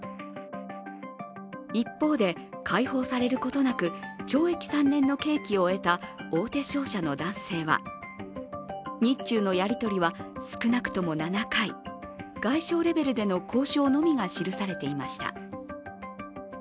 一方で、解放されることなく、懲役３年の刑期を終えた大手商社の男性は日中のやり取りは少なくとも７回、外相レベルでの交渉のみが記されていました。